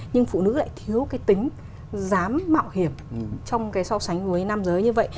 nhưng phụ nữ lại thiếu cái tính dám mạo hiểm trong cái so sánh với nam giới như vậy